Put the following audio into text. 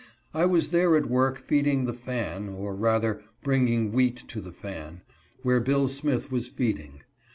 I was there at work feeding the "fan," or rather bringing wheat to the fan, while Bill Smith was feeding.